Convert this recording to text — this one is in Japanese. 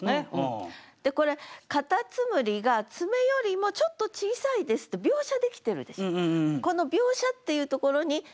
でこれ蝸牛が「爪よりもちょっと小さいです」って描写できてるでしょ。